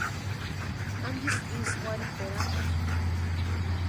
¿Antisï ísï warhiperanhakʼi?